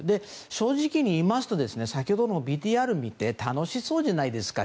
正直にいいますと先ほどのＶＴＲを見て楽しそうじゃないですか。